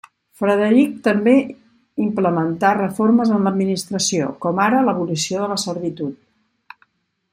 Frederic també implementà reformes en l'administració, com ara l'abolició de la servitud.